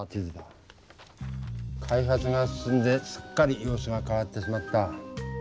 開発が進んですっかり様子がかわってしまった。